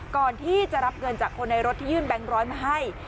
ก่อนที่จะรับเงินจากคนในรถที่ยื่นแบงค์ร้อยมาให้